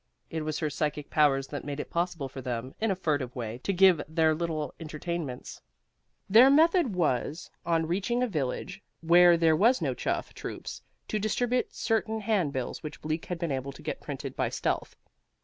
It was her psychic powers that made it possible for them, in a furtive way, to give their little entertainments. Their method was, on reaching a village where there were no chuff troops, to distribute certain handbills which Bleak had been able to get printed by stealth.